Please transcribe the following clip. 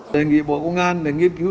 đề nghị bộ công an để nghiên cứu